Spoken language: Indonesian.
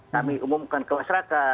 kami umumkan ke masyarakat